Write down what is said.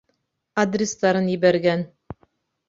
Адрестарын ебәргән.